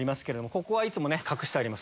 ここはいつも隠してあります。